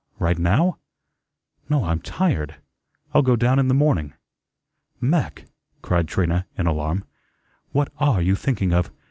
Right now? No, I'm tired. I'll go down in the morning." "Mac," cried Trina, in alarm, "what are you thinking of?